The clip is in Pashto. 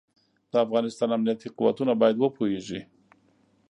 د افغانستان امنيتي قوتونه بايد وپوهېږي.